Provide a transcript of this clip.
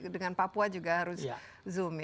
dengan papua juga harus zoom